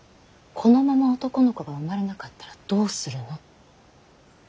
このまま男の子が生まれなかったらどうするの。